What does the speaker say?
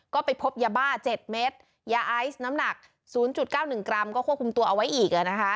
ก็ไปพบยาบ้า๗เม็ดยาไอซ์น้ำหนัก๐๙๑กรัมก็ควบคุมตัวเอาไว้อีก